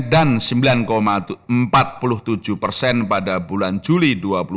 dan sembilan empat puluh tujuh persen pada bulan juli dua ribu dua puluh